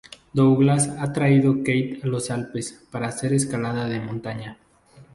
Douglas ha traído Kate a los Alpes para hacer escalada de montaña.